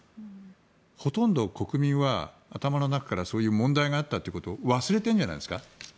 ほとんど国民は頭の中からそういう問題があったということを忘れてるんじゃないですか？